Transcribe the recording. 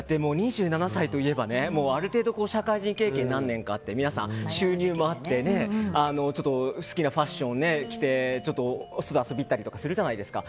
２７歳といえばある程度社会人経験が何年かあって皆さん収入もあって好きなファッションを着てお外遊びに行ったりとかするじゃないですか。